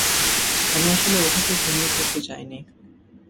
আমি আসলে ওভাবে ঘুমিয়ে পড়তে চাইনি।